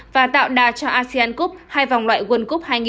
và tạo đà cho asean cup hay vòng loại world cup hai nghìn hai mươi sáu